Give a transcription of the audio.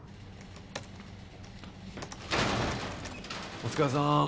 お疲れさん。